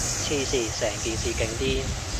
黐線，成件事勁癲